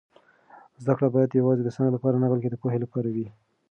زده کړه باید یوازې د سند لپاره نه بلکې د پوهې لپاره وي.